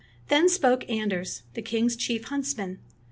Then spoke Anders, the king's chief hunts man.